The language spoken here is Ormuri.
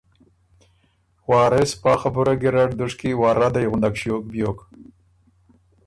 وارث پا خبُره ګیرډ دُشکی وار ردئ غُندک ݭیوک بیوک۔